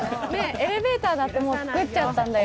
エレベーターだって作っちゃったんだよ。